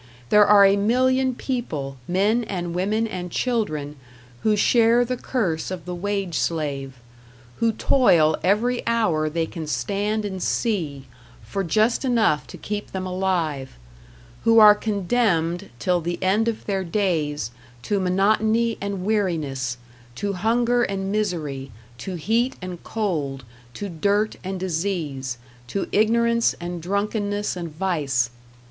There are a million people, men and women and children, who share the curse of the wage slave; who toil every hour they can stand and see, for just enough to keep them alive; who are condemned till the end of their days to monotony and weariness, to hunger and misery, to heat and cold, to dirt and disease, to ignorance and drunkenness and vice!